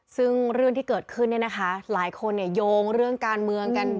ซึ่งเรื่องที่เกิดขึ้นเนี่ยนะคะหลายคนเนี่ยโยงเรื่องการเมืองกัน